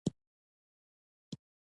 تفاهم د زړونو اړیکه ټینګه کوي.